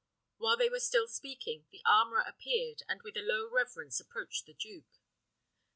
While they were still speaking, the armourer appeared, and with a low reverence approached the duke.